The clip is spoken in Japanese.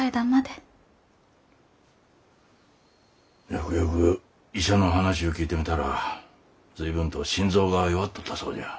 よくよく医者の話ゅう聞いてみたら随分と心臓が弱っとったそうじゃ。